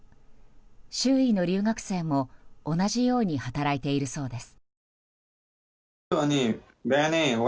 周囲の留学生も同じように働いているそうです。